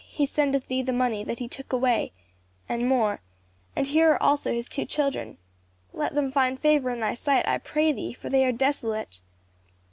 He sendeth thee the money that he took away and more; and here are also his two children. Let them find favor in thy sight, I pray thee, for they are desolate.